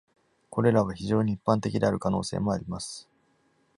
これらは非常に一般的である可能性もあります。